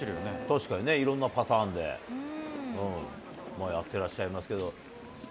確かにね、いろんなパターンでやってらっしゃいますけど。